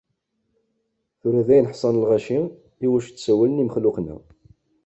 Tura d ayen ḥsan lɣaci i wacu i d-ssawlen imexluqen-a.